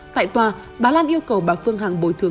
tại tòa bà lan yêu cầu bà phương hằng bồi thường